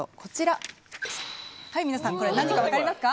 はい皆さんこれ何か分かりますか？